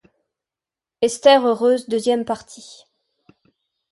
Esther heureuse Deuxième partie.